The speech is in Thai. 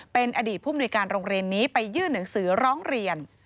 เป็นอดีตผู้มนุยการโรงเรียนนี้ไปยื่นหนังสือร้องเรียน